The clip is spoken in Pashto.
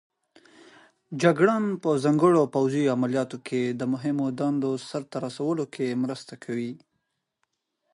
جګړن په ځانګړو پوځي عملیاتو کې د مهمو دندو سرته رسولو کې مرسته کوي.